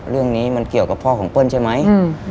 เรื่องนี้มันเกี่ยวกับพ่อของเปิ้ลใช่ไหม